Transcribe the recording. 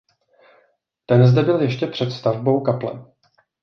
Ten zde byl ještě před stavbou kaple.